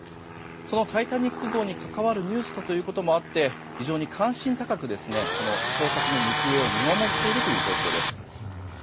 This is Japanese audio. その「タイタニック号」に関わるニュースということもあって非常に関心高く、捜索の行方を見守っているという状況です。